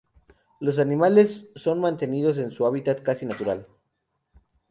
Los animales son mantenidos en un hábitat casi natural.